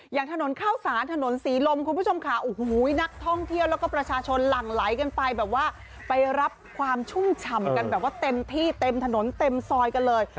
อย่างถนนข้าวสารถนนศรีลมคุณผู้ชมค่ะโอ้โหนักท่องเที่ยวแล้วก็ประชาชนหลั่งไหลกันไปแบบว่าไปรับความชุ่มฉ่ำกันแบบว่าเต็มที่เต็มถนนเต็มซอยกันเลย